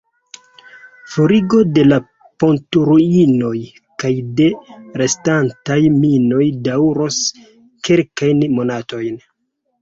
Forigo de la pontoruinoj kaj de restantaj minoj daŭros kelkajn monatojn.